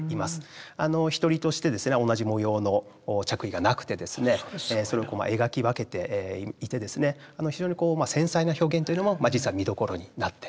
一人として同じ模様の着衣がなくてそれを描き分けていて非常に繊細な表現というのも実は見どころになっています。